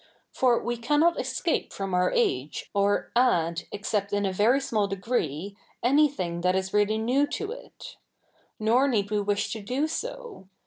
For we ca?inot escape from our age, or add, except in a very small deg7'ee, a7iything that is really 7iew to it. Nor 7ieed we wish to do so.